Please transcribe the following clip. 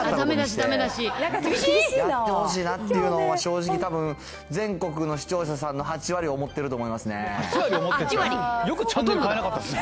だめ出し、やってほしいなっていうのが、正直たぶん、全国の視聴者さんの８割思ってると思いますね。